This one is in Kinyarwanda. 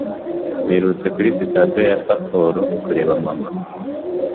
Mperutse kuri Sitasiyo ya Sapporo kureba mama.